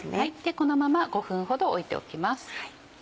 このまま５分ほど置いておきます。